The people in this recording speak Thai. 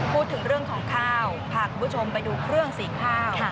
พูดถึงเรื่องของข้าวพาคุณผู้ชมไปดูเครื่องสีข้าว